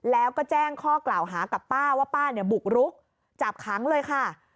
แล้วก็แจ้งข้อกล่าวหากับป้าว่าป้าเนี่ยบุกรุกจับขังเลยค่ะ